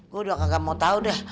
gua udah gak mau tau deh